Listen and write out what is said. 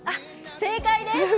正解です！